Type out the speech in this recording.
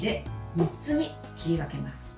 ３つに切り分けます。